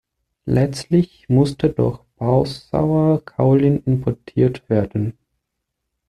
Letztlich musste doch Passauer Kaolin importiert werden.